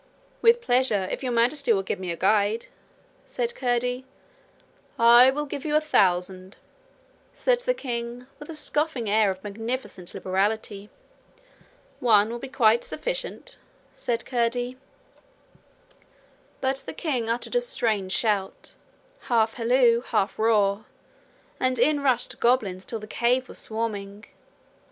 'With pleasure, if Your Majesty will give me a guide,' said Curdie. 'I will give you a thousand,' said the king with a scoffing air of magnificent liberality. 'One will be quite sufficient,' said Curdie. But the king uttered a strange shout, half halloo, half roar, and in rushed goblins till the cave was swarming.